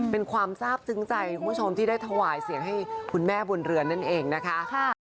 เป็นความทราบซึ้งใจคุณผู้ชมที่ได้ถวายเสียงให้คุณแม่บนเรือนั่นเองนะคะ